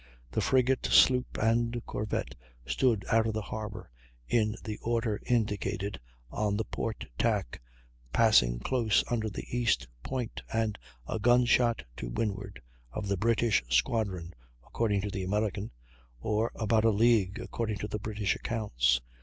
The frigate, sloop, and corvette, stood out of the harbor in the order indicated, on the port tack, passing close under the east point, and a gunshot to windward of the British squadron, according to the American, or about a league, according to the British, accounts.